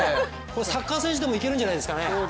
これサッカー選手でもいけるんじゃないですかね。